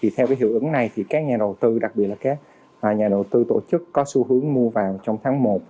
theo hiệu ứng này các nhà đầu tư đặc biệt là các nhà đầu tư tổ chức có xu hướng mua vào trong tháng một